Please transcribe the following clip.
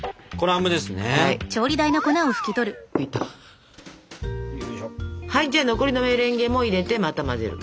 はいじゃあ残りのメレンゲも入れてまた混ぜる。